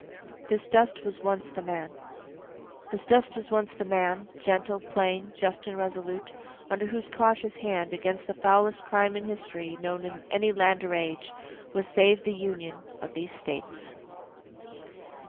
This Dust Was Once the Man This dust was once the man, Gentle, plain, just and resolute, under whose cautious hand, Against the foulest crime in history known in any land or age, Was saved the Union of these States.